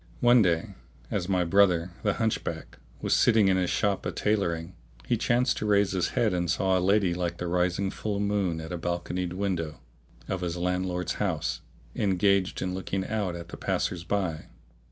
One day as my brother, the Hunchback, was sitting in his shop a tailoring, he chanced to raise his head and saw a lady like the rising full moon at a balconied window of his landlord's house, engaged in looking out at the passers by.